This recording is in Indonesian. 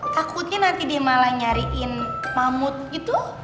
takutnya nanti dia malah nyariin kepamut gitu